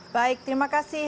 baik terima kasih